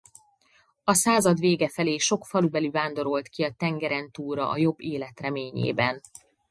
A század vége felé sok falubeli vándorolt ki a tengerentúlra a jobb élet reményében.